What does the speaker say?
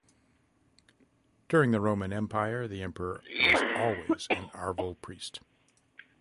During the Roman Empire the Emperor was always an Arval priest.